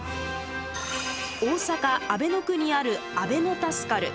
大阪・阿倍野区にあるあべのタスカル。